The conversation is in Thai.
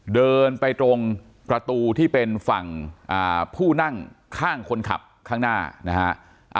เดินไปตรงประตูที่เป็นฝั่งผู้นั่งข้างคนขับข้างหน้านะฮะ